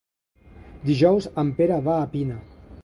Dijous en Pere va a Pina.